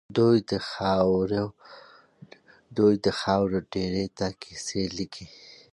دوی د خاورو ډېري ته کيسې ليکي.